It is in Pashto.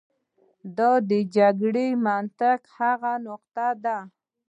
دا د جګړې د منطق هغه نقطه ده.